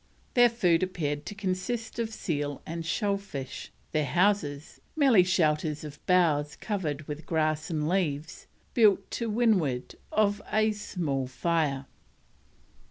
Their food appeared to consist of seal and shell fish; their houses, merely shelters of boughs covered with grass and leaves built to windward of a small fire.